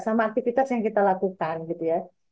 sama aktivitas yang kita lakukan gitu ya